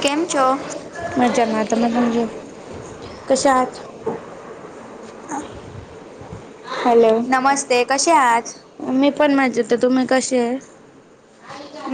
केम छो मजामा आहात ना तुम्ही? कशा आहात? हॅलो [unintelligible] नमस्ते, कशे आहात? मी पण मजेत ये, तुम्ही कशे ये?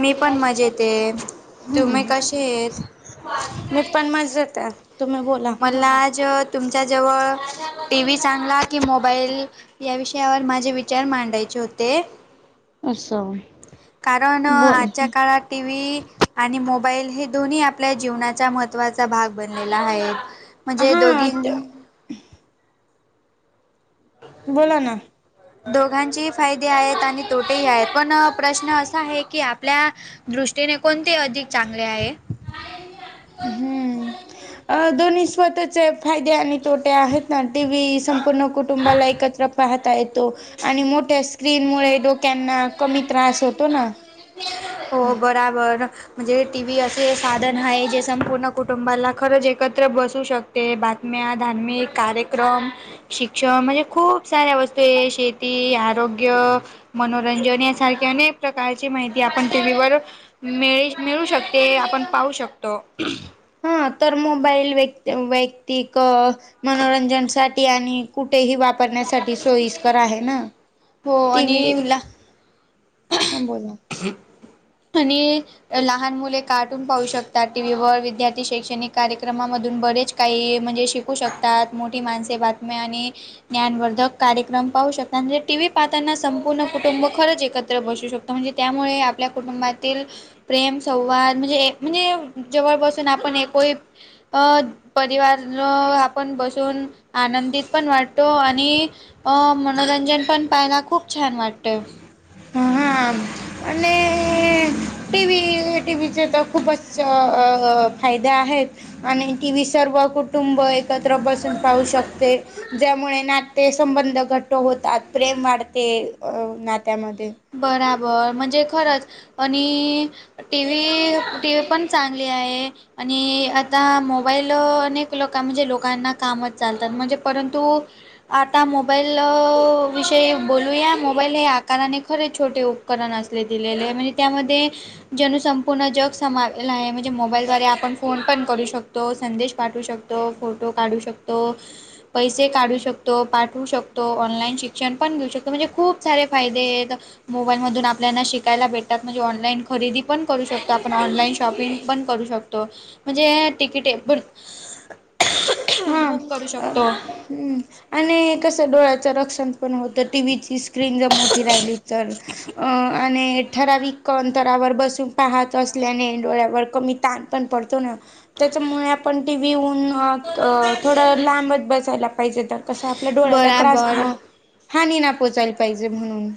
मी पण मजेत आहे तुम्ही हम्म. कसे आहेत मी पण मजेत ये, तुम्ही बोला? [unintelligible] आज तुमच्या जवळ टी व्ही चांगला की मोबाईल? या विषयावर माझे विचार मांडायचे होते असं कारण अ बोल आजच्या काळात. टी व्ही आणि मोबाईल हे दोन्ही आपल्या जीवनाच्या महत्त्वाचा भाग बनलेला आहे. म्हणजे हा दोघीनं बोला. ना. दोघांचेही फायदे आहेत आणि तोटेही आहेत पण प्रश्न असा आहे कि आपल्या दृष्टीने कोणते अधिक चांगले आहे? हम्म अ दोन्ही स्वतःचे फायदे आणि तोट्या आहेत ना टि व्ही संपूर्ण कुटुंबाला एकत्र पाहता येतो आणि मोठ्या स्क्रीन मुळे डोक्यांना कमी त्रास होतो ना. हो बराबर म्हणजे टी व्ही असे साधन आहे जे संपूर्ण कुटुंबाला खरंच एकत्र बसू शक ते बातम्या धार्मिक कार्यक्रम असे शिक्षण म्हणजे खूप साऱ्या वस्तूये शेती आरोग्य मन मनोरंजन यासारखी अनेक प्रकारची माहिती आपण टी व्हीवर मिळे मिळू शकते आपण पाहू शकतो. हा तर मोबाईल वेत वैयक्तिक मनोरंजनसाठी आणि कुठेही वाप बघण्यासाठी सोईस्कर आहे ना, हो टीव्ही आणि ला हं बोला हम् आणि लहान मुले काटून पाहू शकतात टीव्ही व विद्यार्थी शैक्षणिक कार्यक्रमा मधून बरेचं. काही म्हणजे शिकू शकतात. मोठी माणसे बातम्या आणि ज्ञानवर्धक कार्यक्रम पाहू शकता म्हणजे टीव्ही पाहताना संपूर्ण कुटुंब खरंच एकत्र बसू शकत म्हणजे. त्यामुळे आपल्या कुटुंबातील. प्रेम संवाद म्हणजे जवळ बसून आपण एक वहीत अ. परिवार न आपण बसून बघू शकतो. आनंदी पण वाटतो आणि मनोरंजन पण पाहायला खूप छान वाटतें. ह हा [unintelligible] आम आणि टीव्ही टीव्हीचे तर खूपचं फायदे आहेत. आणि टीव्ही सर्व कुटुंब एकत्र बसून पाहू शकते ज्यामुळे ना. ते संबंध घट्ट होतात. प्रेम वाढते नात्या मध्ये बरोबर म्हणजे खरंच आणि टीव्ही पण चांगली आहे. आणि आता मोबाईल अनेक लोक म्हणजे लोकांना कामचं चालतात. म्हणजे परंतु आता मोबाईल विषयी बोलूया मोबाईल हे आकाराने लहान आहे. खरं छोटे उपकरण असले दिलेले आहे म्हणजे त्यामध्ये जण संपूर्ण जग [unintelligible] आहे म्हणजे मोबाईल दवारे आपण फोन पण करू शकतो तो संदेश पाठवू शकतो. फोटो काढू शकतो. पैसे काढू शकतो पाठवू शकतो. ऑनलाईन शिक्षण पण घेऊ शकतो म्हणजे खूप सारे फायदे आहेत. मोबाईलमधून आपल्याना शिकायला भेटतात ऑनलाईन खरेदी पण करू शकतो आपण ऑनलाईन शॉपिंग पण करू शकतो. म्हणजे तिकिट बुक हा पण करू अ शकतो. हम्म आणि कसं डोळ्याचं रक्षणं पण होतं टीव्ही ची सवय स्क्रीन जर मोठी राहिली तर अ आणे. ठराविक अंतरावर बसून पाहत असल्याने डोळ्यावर कमी ताण पण पडतो ना. त्याच्यामुळे आपण टीव्ही हून थोडं लांबचं बसायला पाहिजे तर. कश्या आपल्या डोळ्याला त्रास बराबर हानी पोच्याला. पाहिजे म्हणून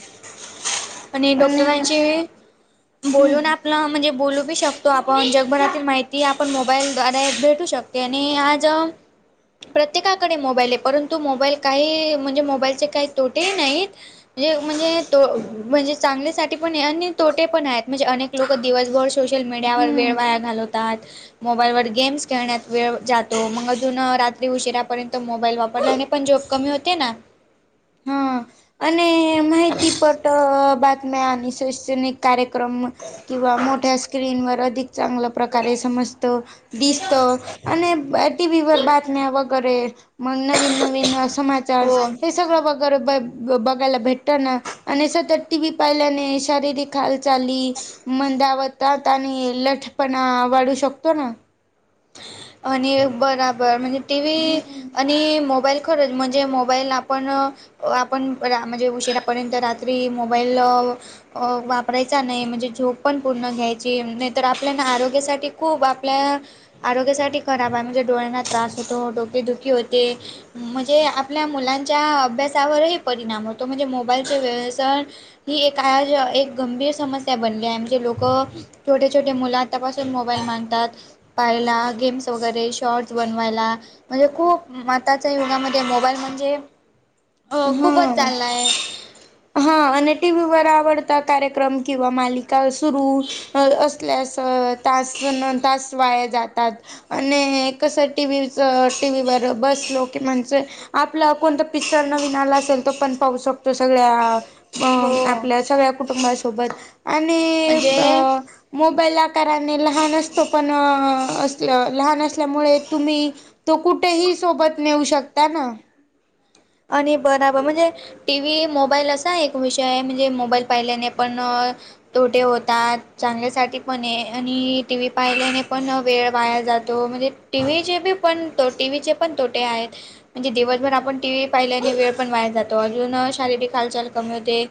आणि. बोलून आपलं म्हणजे बोलू शकतो आपण जगभरातील माहिती आपण मोबाईलद्वारे भेटू शकते. त्यांनी आज. प्रत्येकाकडे मोबाईल आहे परंतु मोबाईल काही म्हणजे मोबाईलचे काही तोटेही नाहीत. म्हणजे तो चांगल्यासाठी पण आहे आणि तोटे पण आहेत म्हणजे अनेक लोक दिवसभर सोशल मीडियावर वेळ हम्म वाया घालवतात. मोबाईलवर गेम्स खेळण्यात वेळ जातो. मग अजून रात्री उशिरापर्यंत मोबाईल वापरल्याने पण जॉब कमी होते ना. हं, आणि माहिती पट बातम्या आणि शैशनिक कार्यक्रम किंवा मोठ्या स्क्रीनवर अधिक चांगल्या प्रकारे समज तो दिसतो आणि बट टीव्हीवर बातम्या वगेरे मग नवीन नवीन समाचार हो हे सगळं बगर ब ब बघायला भेटत ना आणि सतत टीव्ही पाहिल्याने शारीरिक खालचाली मंदावतात आणि लठपणा वाढू शकतो ना. आणि बराबर म्हणजे टीव्ही आणि मोबाईल खरंच म्हणजे मोबाईल आपण आपण आता म्हणजे उशिरापर्यंत रात्री मोबाईल अ वापरायचा नाही म्हणजे झोप पण पूर्ण घ्यायची नाही तर आपल्यान आरोग्यासाठी खूप आपल्या आरोग्यासाठी खराब आहे, म्हणजे डोळ्यांना त्रास होतो, डोके दुखी होते. म्हणजे आपल्या मुलांच्या अभ्यासावरही परिणाम होतो. म्हणजे मोबाईलचे व्यसन ही एक आज एक गंभीर समस्या बनली आहे म्हणजे लोकं छोटे छोटे मुलं आतापासून मोबाईल मागतात पहिला गेम वगैरे शॉर्ट्स बनवायला म्हणजे खूप आताच्या युगामध्ये मोबाईल म्हणजे. अ खूपच हा चाललाय. हा आणि टीव्हीवर आवडता कार्यक्रम किंवा मालिका सुरू अ असल्यास तास न तास वाया जातात. आणि कसं टीव्हीचं टीव्हीवर बसलो की म्हणजे आपला कोणतं पिक्चर नवीन आला असेल तो पण पाहू शकतो सगळ्या हा हो अम आपल्या सगळ्या कुटुंबासोबत आणि अ म्हणजे मोबाईल आकारने लहान असतो पण असलं लहान असल्यामुळे तुम्ही तो कुठेही सोबत नेऊ शकता ना. आणि बराबर म्हणजे टीव्ही मोबाईल असा एक विषय आहे म्हणजे मोबाईल पाहिल्याने पण तोटे होतात चांगल्यासाठी पण ये आणि टीव्ही पाहिल्याने पण वेळ वाया जातो म्हणजे टीव्हीचे बी पण तोटे टीव्हीचे पण तोटे आहेत म्हणजे दिवसभर आपण टीव्ही पहिल्याने वेळ पण वाया जातो, अजून शारीरिक हालचाल कमी होते.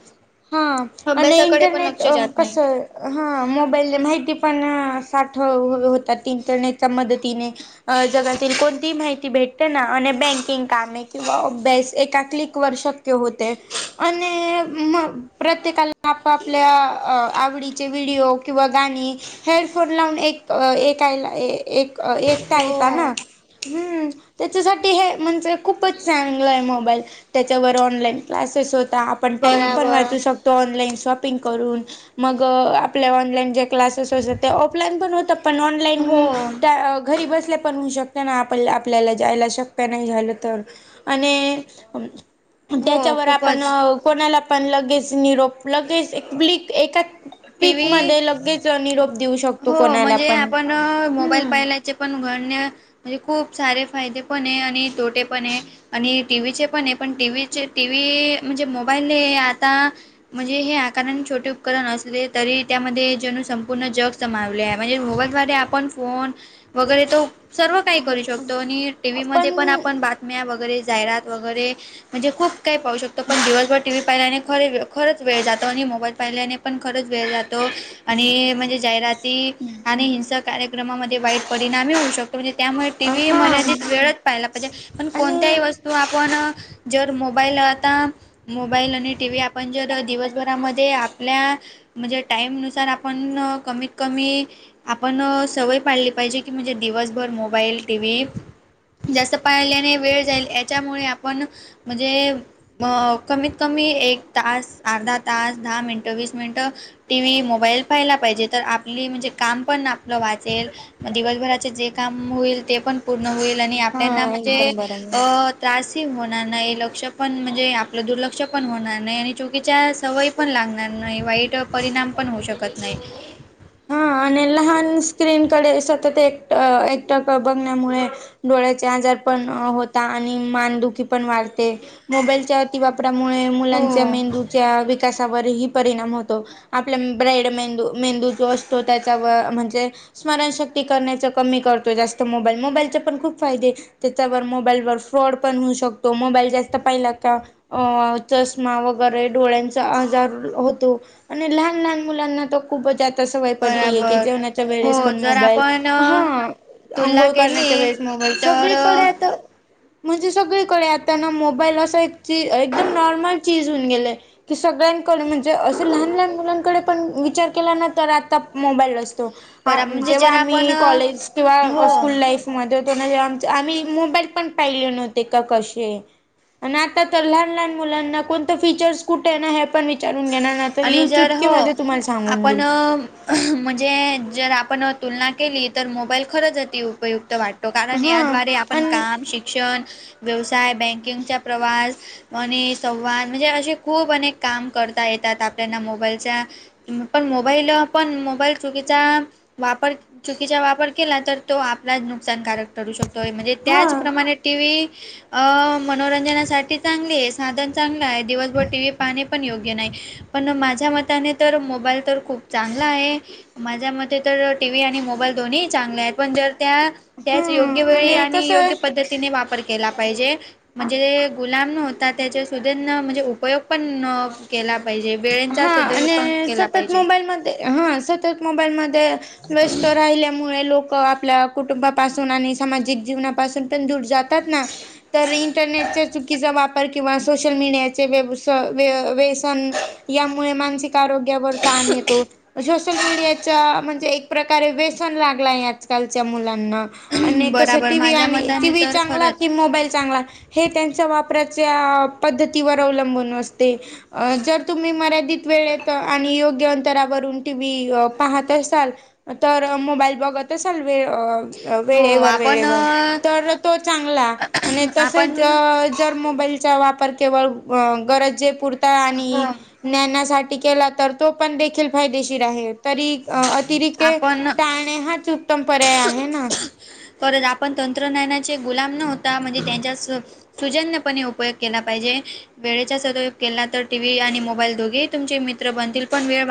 हा आणि अभ्यासाकडे पण इंटरनेट लक्ष अ जात नाही कसयं हा मोबाईलने माहिती पण साठव होतात इंटरनेटच्या मदतीने अ जगातील कोणतीही माहिती भेट ते ना आणि बँकिंग कामे किंवा अभ्यास एका क्लिकवर शक्य होतेय आणि म प्रत्येकाला आपआपल्या अ आवडीचे व्हिडिओ किंवा गाणी हेडंफोन लावून एक ऐकायला एक अ एकटा हो येताना हम्म तेच्यासाठी हे म्हणजे खूपच चांगलयं मोबाईल त्याच्यावर ऑनलाईन क्लासेस होता, आपण टाइम पण बराबर वाचू शकतो, ऑनलाईन शॉपिंग करून मग आपल्या ऑनलाईन जे क्लासेस असतं ते ऑफलाईन पण होतात. आपण हो ऑनलाईन त्या घरी बसल्या पण होऊ शकत ना आपण आपल्याला जायला शक्य नाही झालं तर आणि अम हो त्याच्यावर आपण खूपच कोणाला पण लगेच निरोप लगेच एक क्लिक टी पीक व्ही मध्ये लगेच निरोप देऊ शकतो हो कोणाला पण हम्म चे पण घडणे म्हणजे खूप सारे फायदे पण ये आणि तोटे पण ये आणि टीव्हीचे पण ये पण टीव्हीचे टीव्ही म्हणजे मोबाईलने आता म्हणजे हे आकाराने छोटे उपकरण अस तरी त्यामध्ये जणू संपूर्ण जग समावले आहे म्हणजे मोबाईलद्वारे आपण फोन वगेरे तो सर्व काही करू शकतो आणि टीव्ही मध्ये आपण पण बात बातम्या वगेरे जाहिरात वगेरे म्हणजे खूप काही पाहू शकतो पण दिवसभर टीव्ही पाहिल्याने खरे खरंच वेळ जातो आणि मोबाईल पाहिल्याने पण खरंच वेळ जातो आणि म्हणजे जाहिराती आणि हिंसा कार्यक्रम कार्यक्रमाला वाईट परिणाम होऊ शकतो म्हणजे त्यामुळे टी व्ही हा मर्यादित वेळच पहायला पाहिजे पण आणि कोणत्याही वस्तू तो आपण जर मोबाईल आता मोबाईल आणि टी व्ही आपण जर दिवसभरामध्ये आपल्या म्हणजे टाईम नुसार आपण कमीत कमी आपण सवय पाडली पाहिजे की म्हणजे दिवसभर मोबाईल टी व्ही जास्त पाळल्याने वेळ जाईल याच्यामुळे आपण म्हणजे कमीत कमी एक तास अर्धा तास दहा मिनटं वीस मिनिट मिनटं टी व्ही मोबाईल पहायला पाहिजे तर आपली म्हणजे काम पण आपलं वाचेल मग दिवसभराचे जे काम होईल ते पण पूर्ण होईल आणि आपल्याना हा म्हणजे एकदम बरं मी अ त्रासही होणार नाही लक्ष पण म्हणजे आपलं दुर्लक्ष पण होणार नाही आणि चुकीच्या सवयी पण लागणार. वाईट परिणाम पण होऊ शकत नाही. हा आणि लहान स्क्रीनकडे सतत एकट एकट बघण्यामुळे डोळ्याचे आजार पण होता आणि मानदुखी पण वाढते. मोबाईलच्या अति वापरामुळे मुलांच्या हो मेंदूच्या विकासावरही परिणाम होतो. आपल्या ब्राईड मेंदू. मेंदू जो असतो त्याच्यावर म्हणजे स्मरणशक्ती करण्याच कमी करतो जास्त मोबाईल. मोबाईलचे पण खूप फायदे त्याच्यावर मोबाईलवर फ्रॉड पण होऊ शकतो. मोबाईल जास्त पाहिला का अ चष्मा वगैरे डोळ्या चा आजार होतो. आणि लहान लहान मुलांना तो खूपच त सवय पडलीय की बराबर जेवणाच्या वेळेस हो पण जर मोबाईल. आपण हा तुलना अंघोळ करण्याच्या केली वेळेस मोबाईल तर सगळीकडे आता [inaudible] म्हणजे सगळीकडे आता ना मोबाईल असा एक एकदम नॉर्मल चीज होऊन गेलय. की सगळ्यांकडे म्हणजे असं लहान लहान मुलांकडे पण विचार केला ना तर आता मोबाईल असतो. बरा म्हणजे जेव्हा जर आपण आम्ही कॉलेज हो किंवा स्कूल लाईफ मध्ये होतो ना आम्ही, मोबाईल पण पाहिले नव्हते का कसे आहे. आणि आता तर लहान लहान मुलांना कोणतं फीचर्स कुठे आहे ना हे पण विचारून घेणार ना तर आणि यू जर चुटकी हो मध्ये तुम्हाला सांगून आपण देईल. म्हणजे जर आपण तुलना केली तर मोबाईल खरंच अति उपयुक्त वाटतो. कारण हा याद्वारे आपण आणि काम, शिक्षण, व्यवसाय, बँकिंगचा प्रवास आणि संवाद म्हणजे असे खूप अनेक काम करता येतात आपल्याना मोबाईलच्या पण मोबाईल पण मोबाईल चुकीचा वापर चुकीचा वापर केला, तर तो आपला नुकसानकारक ठरू शकतो आहे. म्हणजे हा त्याचप्रमाणे टी व्ही मनोरंजनासाठी चांगली आहे. साधन चांगल आहे. दिवसभर टी व्ही पाहणे पण योग्य नाही. पण माझ्या मताने तर मोबाईल तर खूप चांगला आहे. माझ्या मते तर टीव्ही आणि मोबाईल दोन्ही चांगले आहेत. पण जर त्या त्याच हम्म योग्य वेळी आणि कसं योग्य आहे पद्धतीने वापर केला पाहिजे. म्हणजे गुलाम न होता त्याच्या सुधींन म्हणजे उपयोग पण केला पाहिजे वेळेंचा हा सदैवपण आणि केला सतत पाहिजे. मोबाईलमध्ये हा सतत मोबाईलमध्ये व्यस्त राहिल्यामुळे लोक आप आपल्या कुटुंबापासून आणि सामाजिक जीवनापासून पण दूर जात जातात ना तर इंटरनेटचे चुकीचा वाप किंवा सोशल मडियाचे वेव स व्यसन यामुळे मानसिक आरोग्यावर ताण येतो. सोशल मीडियाच्या म्हणजे एक प्रकारे व्यसन लागलय आजकालच्या मुलांना. आणि कसं बराबर टीव्ही माझ्या आणि मताने टीव्ही तर चांगला. खरंच की मोबाईल चांगला. हे त्यांच्या वापराच्या पद्धतीवर अवलंबून असते. अ जर तुम्ही मर्यादित वेळेत, आणि योग्य अंतरावरून टीव्ही पाहत असाल तर मोबाईल बघत असाल वे हो वेळेवर आपण वेळेवर तर तो चांगला. आणि तस आपण जर मोबाईल चा वापर केवळ अ गरजे पुुरता हो आणि ज्ञानासाठी केला तर तो पण देखील फायदेशीर आहे. तरी अतिरिके आपण टाळणे हाच उत्तम पर्याय आहे ना. परत आपण तंत्रज्ञानाचे गुलाम न होता म्हणजे त्यांच्या सुजन्यपणे उपयोग केला पाहिजे. वेळेचा सदयोग केला तर टीव्ही आणि मोबाईल दोघेही तुमचे मित्र बनतील. पण वेळ